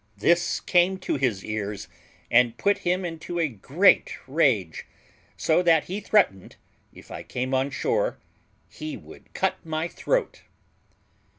This came to his ears, and put him into a great rage, so that he threatened, if I came on shore, he would cut my throat.